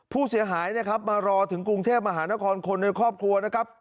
ผู้เสียหายนะครับมารอถึงกรุงเทพมหานครคนในครอบครัวนะครับ